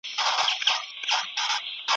یېګانه چي له آزادي زندګۍ سي